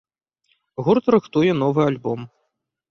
Гурт рыхтуе новы альбом.